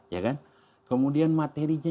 ya kan kemudian materinya